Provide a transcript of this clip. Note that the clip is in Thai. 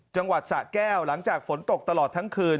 จังหวัดสะแก้วหลังจากฝนตกตลอดทั้งคืน